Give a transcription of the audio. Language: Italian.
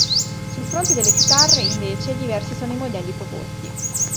Sul fronte delle chitarre, invece, diversi sono i modelli proposti.